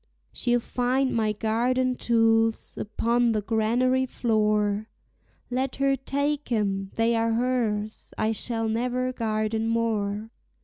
She'll find my garden tools upon the granary floor. Let her take 'em they are hers; I shall never garden more.